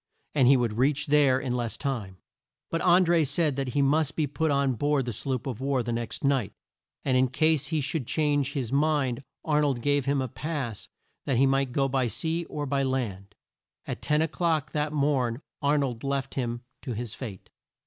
And he would reach there in less time. But An dré said that he must be put on board the sloop of war the next night; and in case he should change his mind Ar nold gave him a pass that he might go by sea or by land. At ten o'clock that morn Ar nold left him to his fate.